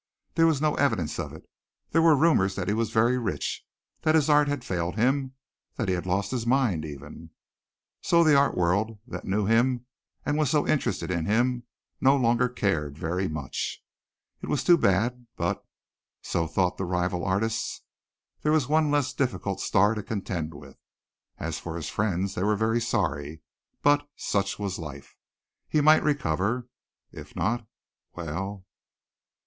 There was no evidence of it. There were rumors that he was very rich, that his art had failed him, that he had lost his mind even, and so the art world that knew him and was so interested in him no longer cared very much. It was too bad but so thought the rival artists there was one less difficult star to contend with. As for his friends, they were sorry, but such was life. He might recover. If not, well